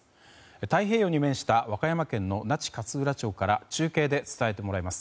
太平洋に面した和歌山県の那智勝浦町から中継で伝えてもらいます。